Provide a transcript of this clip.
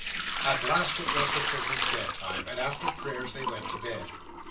At last it was the children's bedtime, and after prayers they went to bed.